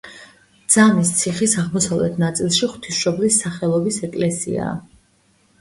ძამის ციხის აღმოსავლეთ ნაწილში ღვთისმშობლის სახელობის ეკლესიაა.